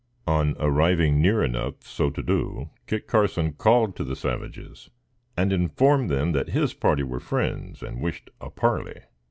On arriving near enough so to do, Kit Carson called to the savages and informed them that his party were friends and wished a parley.